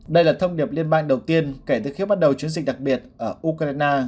đây là thông điệp liên bang đầu tiên kể từ khi bắt đầu chiến dịch đặc biệt ở ukraine